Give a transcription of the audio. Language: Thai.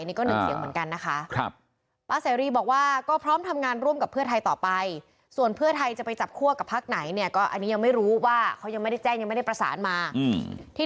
นี่ก็หนึ่งเสียงเหมือนกันนะคะพลตำรวจเอกเสรีพิสูจน์เตมียเวทสอบบัญชีรายชื่อหัวหน้าพลักษณ์เสรีรวมไทย